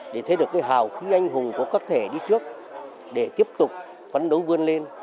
để thấy được cái hào khí anh hùng của các thể đi trước để tiếp tục phấn đấu vươn lên